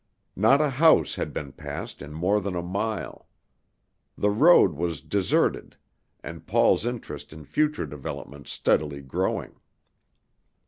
Not a house had been passed in more than a mile. The road was deserted, and Paul's interest in future developments steadily growing.